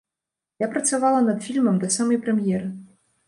Я працавала над фільмам да самай прэм'еры.